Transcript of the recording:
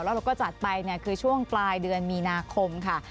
แล้วเราก็จัดไปคือช่วงปลายเดือนมีนาคมค่ะ